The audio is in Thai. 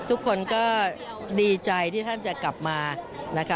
ทุกคนก็ดีใจที่ท่านจะกลับมานะคะ